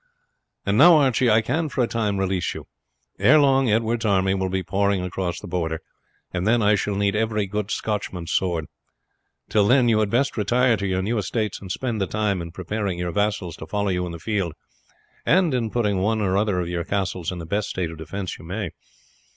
"And now, Archie, I can, for a time, release you. Ere long Edward's army will be pouring across the Border, and then I shall need every good Scotchman's sword. Till then you had best retire to your new estates, and spend the time in preparing your vassals to follow you in the field, and in putting one or other of your castles in the best state of defence you may.